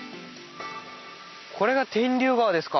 これが天竜川ですか？